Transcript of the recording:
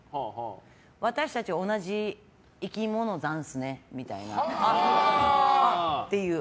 私たち同じ生き物ざんすねみたいなっていう。